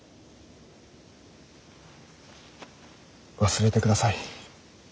忘れてください。